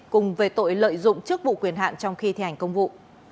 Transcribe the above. cùng về tội lợi dụng chức vụ quyền hạn trong khi thi hành công vụ